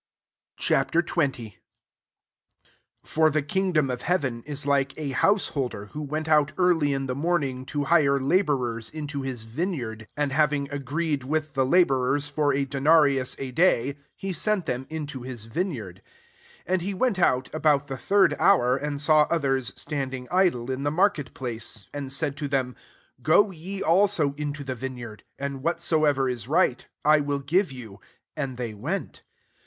Ch. XX. 1 •• For the klng» dom of heaven, is like a householder who went out e«^ ly ii^ the morning, to hire la bourers into his vineyard. 2 And having agreed with the la* bourers for a denarius a day^ he sent them into his vineyard. 3 And he went out, about the third hour, and saw odiers stand ing idle, in the market place, 4 and ^aid to them, < Go ye also into the vineyard, and whatso ever is right I will give you/ And they went.